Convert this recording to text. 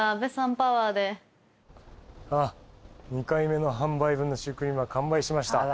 あっ「２回目の販売分のシュークリームは完売しました」